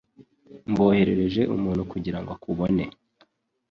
Mboherereje umuntu kugirango akubone